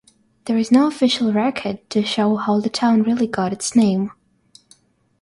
There is no official record to show how the town really got its name.